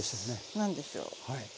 何でしょう。